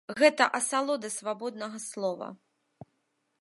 Гэта асалода свабоднага слова!